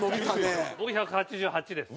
僕１８８です。